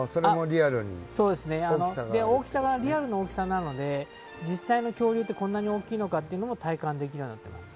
リアルな大きさなので実際の恐竜ってこんなに大きいのかって体感できるようになっています。